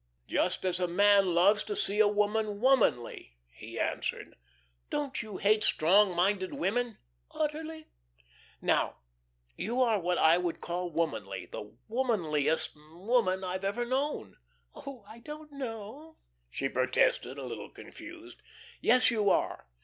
"Just as a man loves to see a woman womanly," he answered. "Don't you hate strong minded women?" "Utterly." "Now, you are what I would call womanly the womanliest woman I've ever known." "Oh, I don't know," she protested, a little confused. "Yes, you are.